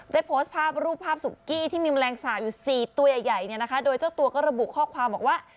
แต่โพสต์ภาพรูปภาพสุกี้ที่มีแมลงสาบอยู่๔ตัวใหญ่โดยเจ้าตัวก็ระบุข้อความบอกว่า